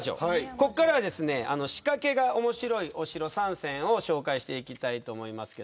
ここからは仕掛けが面白いお城３選を紹介していきたいと思います。